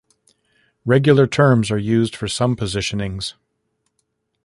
Regular terms are used for some positionings.